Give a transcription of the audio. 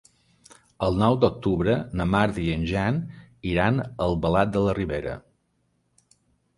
El nou d'octubre na Marta i en Jan iran a Albalat de la Ribera.